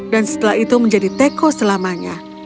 dan setelah itu menjadi teko selamanya